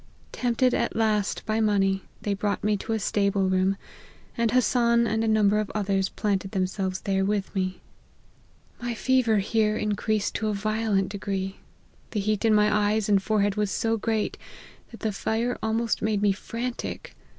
Tempted, at last, by money, they brought me to a stable room, and Hassan and a number of others planted themselves there with me. My fever here in * One of Mr. Martyn's servants. LIFE OF HENRY MARTYN. 189 creased to a violent degree ; the heat in my eyes and forehead was so great, that the fire almost made me frantic.